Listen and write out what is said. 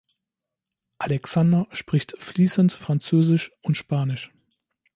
Alexander spricht fließend Französisch und Spanisch.